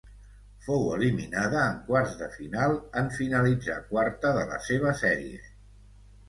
Fou eliminada en quarts de final en finalitzar quarta de la seva sèrie.